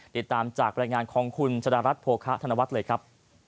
เดี๋ยวตามจากบริงารของคุณชนรัฐโภคะธนวัฒน์เลยครับ